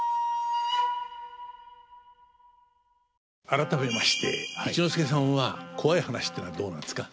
改めまして一之輔さんはコワい話っていうのはどうなんですか？